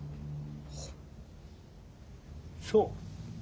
そう。